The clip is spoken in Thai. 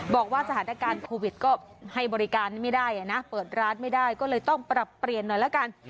บอกว่าสถานการณ์โควิดก็ให้บริการไม่ได้นะเปิดร้านไม่ได้ก็เลยต้องปรับเปลี่ยนหน่อยละกัน